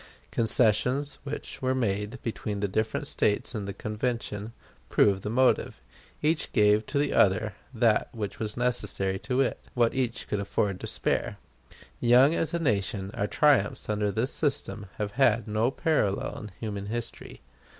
Concessions which were made between the different States in the Convention prove the motive. Each gave to the other what was necessary to it; what each could afford to spare. Young as a nation, our triumphs under this system have had no parallel in human history.